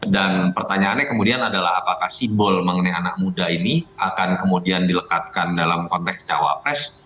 dan pertanyaannya kemudian adalah apakah sibol mengenai anak muda ini akan kemudian dilekatkan dalam konteks cawapres